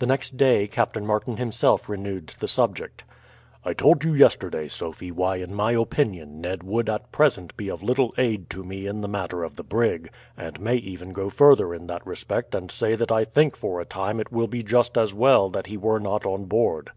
The next day Captain Martin himself renewed the subject. "I told you yesterday, Sophie, why in my opinion Ned would at present be of little aid to me in the matter of the brig, and may even go further in that respect and say that I think for a time it will be just as well that he were not on board.